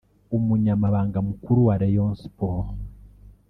umunyamabanga mukuru wa Rayon Sports